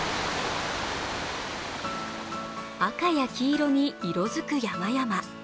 赤や黄色に色づく山々。